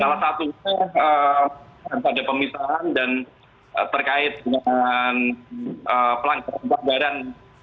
salah satunya pada pemisahan dan terkait dengan pelanggaran